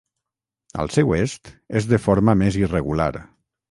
Al seu est és de forma més irregular.